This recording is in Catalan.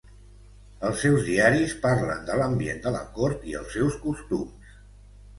Els seus diaris parlen de l'ambient de la cort i els seus costums.